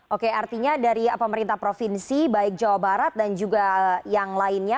oke artinya dari pemerintah provinsi baik jawa barat dan juga yang lainnya